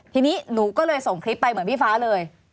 ทีนี้หนูก็เลยส่งคลิปไปเหมือนพี่ฟ้าเลย